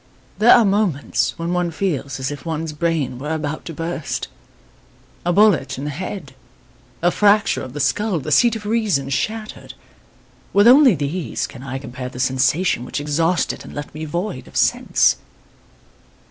There are moments when one feels as if one's brain were about to burst. A bullet in the head, a fracture of the skull, the seat of reason shattered with only these can I compare the sensation which exhausted and left me void of sense.